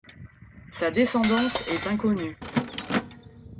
Sa descendance est inconnue.